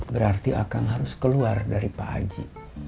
berarti akang harus keluar dari pak aji